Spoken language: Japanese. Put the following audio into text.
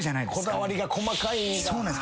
こだわりが細かいんだ。